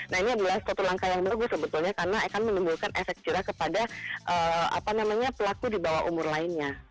nah ini adalah suatu langkah yang bagus sebetulnya karena akan menimbulkan efek jerah kepada pelaku di bawah umur lainnya